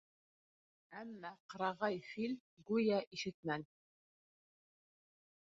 Әммә ҡырағай фил гүйә ишетмәне.